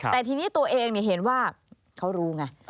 แต่ทีนี้ตัวเองเห็นว่าเขารู้ไง